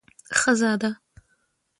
ښځه ده.